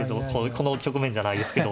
この局面じゃないですけど。